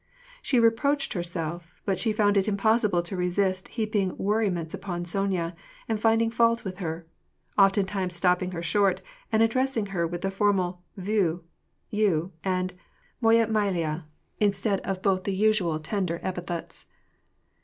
She reproached herself, but she found it impossible to resist heaping worriments upon Sonya, and finding fault with her: oftentimes stopping her short, and addressing her with the formal vuij you, and <' moya milaya^^ 282 WAk AND P^ACE. instead of by tbe nsnal tenderer epithets.